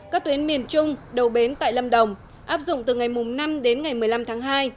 các tuyến miền trung đầu bến tại lâm đồng áp dụng từ ngày năm đến ngày một mươi năm tháng hai